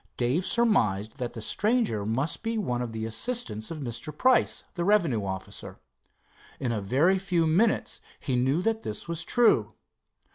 Dave surmised that the stranger must be one of the assistants of Mr. Price, the revenue officer. In a very few minutes he knew that this was true.